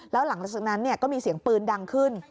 แล้วหลังจากนั้นก็มีเสียงปืนดังขึ้น